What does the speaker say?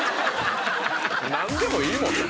何でもいいもんね。